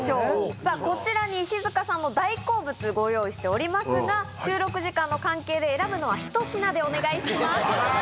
さあ、こちらに石塚さんの大好物、ご用意しておりますが、収録時間の関係で選ぶのは一品でお願いします。